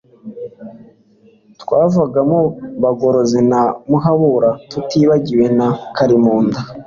twavugamo bagorozi na muhabura tutibagiwe na kalimunda